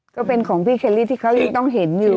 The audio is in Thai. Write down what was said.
ก็เป็นของพี่เคลลี่ที่เขายังต้องเห็นอยู่